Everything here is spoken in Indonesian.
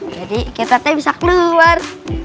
jadi kita tuh bisa keluar